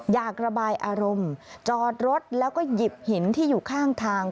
อยากระบายอารมณ์จอดรถแล้วก็หยิบหินที่อยู่ข้างทาง